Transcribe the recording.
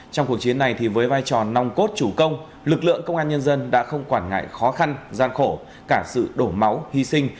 trong cuộc chiến này với vai trò nòng cốt chủ công lực lượng công an nhân dân đã không quản ngại khó khăn gian khổ cả sự đổ máu hy sinh